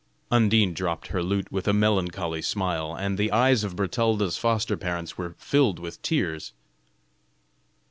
Undine dropped her lute with a melancholy smile, and the eyes of Bertalda's foster parents were filled with tears.